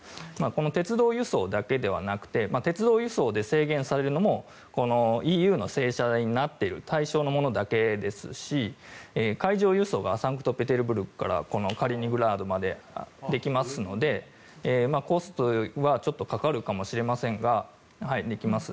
この鉄道輸送だけではなくて鉄道輸送で制限されることもＥＵの制裁の対象になっている対象のものだけですし海上輸送がサンクトペテルブルクからこのカリーニングラードまでできますのでコストはちょっとかかるかもしれませんができます。